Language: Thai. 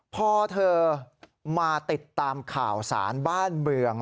พอเธอมาติดตามข่าวสารบ้านเมือง